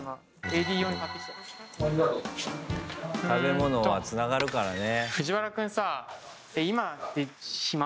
食べ物は、つながるからね。